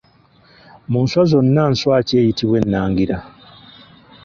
Mu nswa zonna, nswa ki eyitibwa ennangira?